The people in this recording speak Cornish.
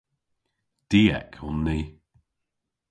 Diek on ni.